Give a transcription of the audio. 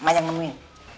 mak aja yang nemuin